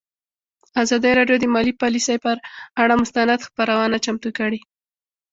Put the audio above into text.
ازادي راډیو د مالي پالیسي پر اړه مستند خپرونه چمتو کړې.